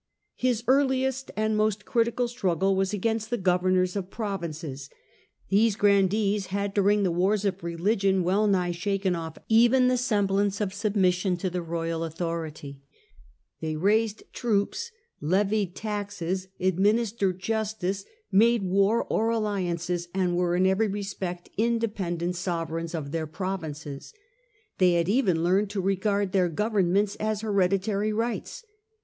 His earliest and most critical struggle was against the governors of provinces. These grandees had dhiring the ro Prelude to the Fronde . 1624. wars of religion well nigh shaken off even the semblance of submission to the royal authority; they raised troops, Struggle levied taxes, administered justice, made war governors or alliances, and were in every respect inde of provinces, pendent sovereigns of their provinces. They had even learned to regard their governments as here ditary rights.